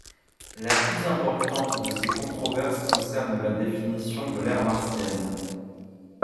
La plus importante de ces controverses concerne la définition de l’ère martienne.